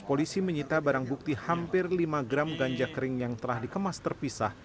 polisi menyita barang bukti hampir lima gram ganja kering yang telah dikemas terpisah